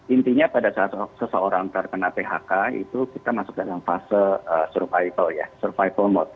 intinya pada saat seseorang terkena phk kita masuk dalam fase survival mode